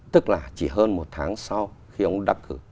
tức là chỉ hơn một tháng sau khi ông đắc cử